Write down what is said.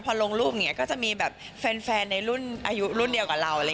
พอลงรูปเนี่ยก็จะมีแฟนในรุ่นเดียวกับเรา